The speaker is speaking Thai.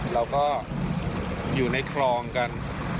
เราก็อยู่ในคลองกัน